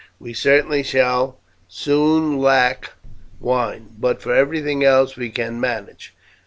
We certainly shall soon lack wine, but for everything else we can manage.